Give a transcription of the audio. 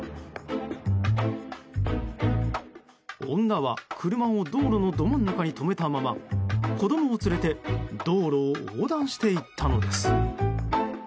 女は、車を道路のど真ん中に止めたまま子供を連れて道路を横断していったのです。